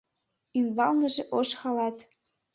Ӱмбалныже ош халат.